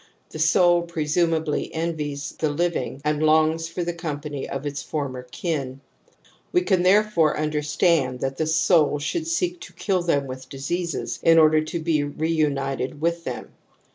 The soul presumably envies the living and longs for the company of its former kin ; we can therefore understand that the soul should seek to kill with them diseases in order to be re ujiited with them.